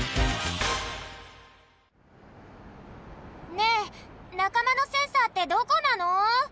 ねえなかまのセンサーってどこなの？